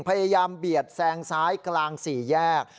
พยายามเบียดแซงซ้ายกลางสี่แยก